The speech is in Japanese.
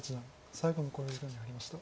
最後の考慮時間に入りました。